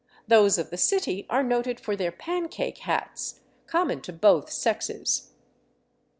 Those of the city are noted for their " pancake " hats, common to both sexes.